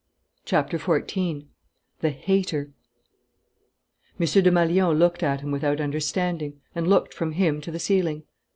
CHAPTER FOURTEEN THE "HATER" M. Desmalions looked at him without understanding, and looked from him to the ceiling.